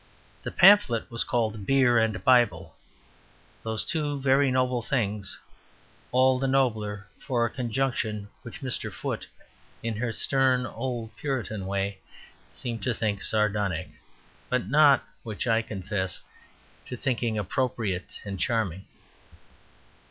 The pamphlet was called BEER AND BIBLE, those two very noble things, all the nobler for a conjunction which Mr. Foote, in his stern old Puritan way, seemed to think sardonic, but which I confess to thinking appropriate and charming.